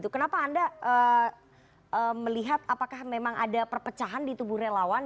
kenapa anda melihat apakah memang ada perpecahan di tubuh relawan